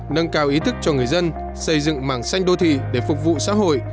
nâng cao ý thức cho người dân xây dựng mảng xanh đô thị để phục vụ xã hội